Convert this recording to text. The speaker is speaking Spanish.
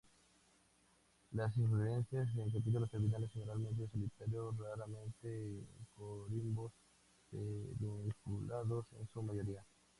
Las inflorescencias en capítulos terminales generalmente solitarios, raramente en corimbos, pedunculados, en su mayoría.